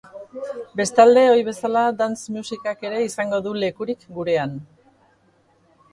Bestalde, ohi bezala, dance musikak ere izango du lekurik gurean.